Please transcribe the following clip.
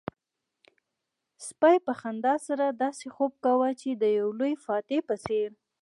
سپي په خندا سره داسې خوب کاوه چې د يو لوی فاتح په څېر.